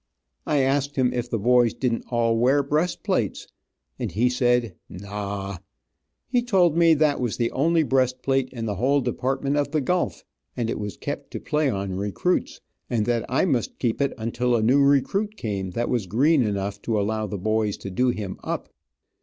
I asked him if the boys didn't all wear breast plates, and he said "naw!" He told me that was the only breast plate in the whole Department of the Gulf, and it was kept to play on recruits, and that I must keep it until a new recruit came that was green enough to allow the boys to do him up.